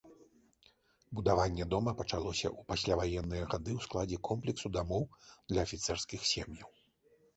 Будаванне дома пачалося ў пасляваенныя гады ў складзе комплексу дамоў для афіцэрскіх сем'яў.